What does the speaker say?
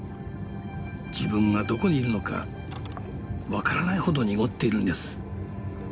自分がどこにいるのか分からないほど濁っているんです。